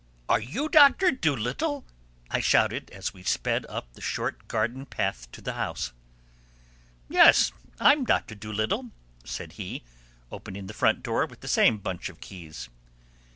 "Are you Doctor Dolittle?" I shouted as we sped up the short garden path to the house. "Yes, I'm Doctor Dolittle," said he, opening the front door with the same bunch of keys.